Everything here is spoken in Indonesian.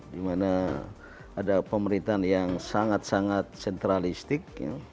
dimana ada pemerintahan yang sangat sangat sentralistik